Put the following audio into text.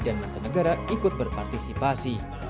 dan masyarakat negara ikut berpartisipasi